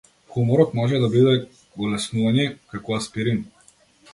Хуморот може да биде олеснување, како аспирин.